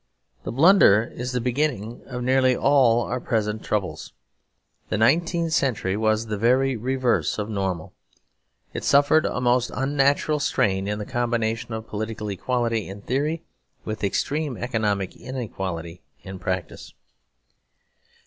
The blunder is the beginning of nearly all our present troubles. The nineteenth century was the very reverse of normal. It suffered a most unnatural strain in the combination of political equality in theory with extreme economic inequality in practice.